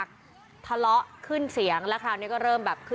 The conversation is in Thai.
ผมว่ามึงขี่ไงกูแล้วยังไง